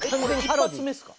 一発目ですか？